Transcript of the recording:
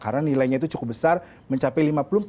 karena nilainya itu cukup besar mencapai lima puluh empat sembilan